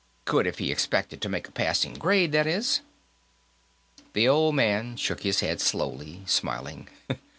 "Could if he expected to make a passing grade, that is." The old man shook his head slowly, smiling.